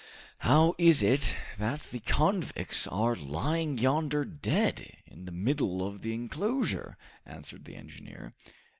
"How is it that the convicts are lying yonder dead, in the middle of the enclosure?" answered the engineer.